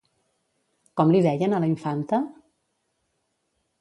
Com li deien a la infanta?